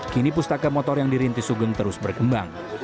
kini pustaka motor yang dirinti sugeng terus berkembang